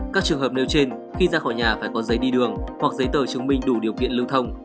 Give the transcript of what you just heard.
các trường hợp nêu trên khi ra khỏi nhà phải có giấy đi đường hoặc giấy tờ chứng minh đủ điều kiện lưu thông